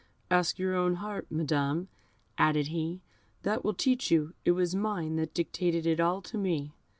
"Ask your own heart, Madam," added he, "that will teach you; it was mine that dictated it all to me."